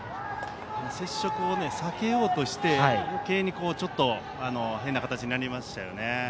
接触を避けようとして余計にちょっと変な形になりましたよね。